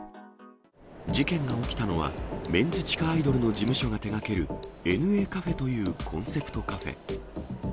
事件が起きたのはメンズ地下アイドルの事務所が手がけるＮＡカフェというコンセプトカフェ。